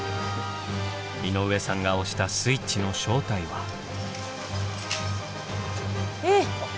井上さんが押したスイッチの正体は。えっ。